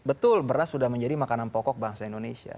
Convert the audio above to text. betul beras sudah menjadi makanan pokok bangsa indonesia